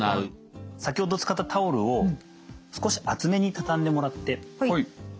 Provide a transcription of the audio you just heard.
先ほど使ったタオルを少し厚めにたたんでもらって。